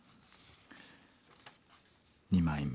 ２枚目。